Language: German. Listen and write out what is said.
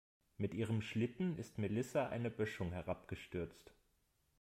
Mit ihrem Schlitten ist Melissa eine Böschung herabgestürzt.